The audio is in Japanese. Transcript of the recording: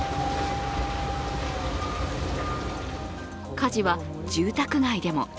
火事は住宅街でも。